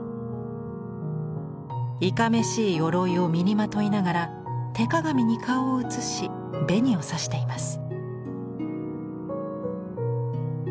いかめしい鎧を身にまといながら手鏡に顔を映し紅をさしています。